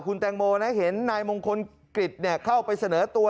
คุณแตงโมนะเห็นนายมงคลกฤษเข้าไปเสนอตัว